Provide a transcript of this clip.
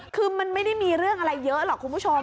คือมันไม่ได้มีเรื่องอะไรเยอะหรอกคุณผู้ชม